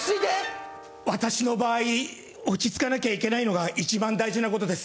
私の場合、落ち着かなきゃいけないのが一番大事なことです。